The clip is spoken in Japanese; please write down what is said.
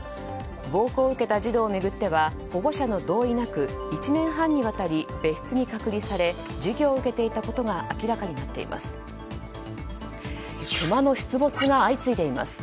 暴行を受けた児童を巡っては保護者の同意なく１年半にわたり、別室に隔離され授業を受けていたことが明らかになっています。